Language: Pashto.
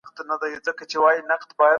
آیا ټکنالوژي تل مثبتې پایلې لري؟